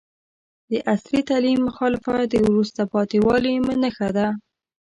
د عصري تعلیم مخالفت د وروسته پاتې والي نښه ده.